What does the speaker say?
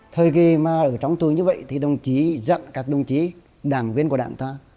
thời kỳ mà ở trong tù như vậy thì đồng chí dặn các đồng chí đảng viên của đảng ta